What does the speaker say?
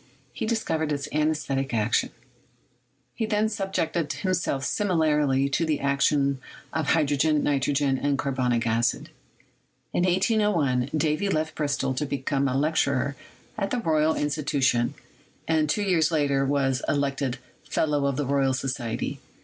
He discovered its anesthetic action. He then subjected him self similarly to the action of hydrogen, nitrogen, and carbonic acid. In 1801, Davy left Bristol to become a lecturer at the Royal Institution, and two years later was elected Fellow of the Royal Society.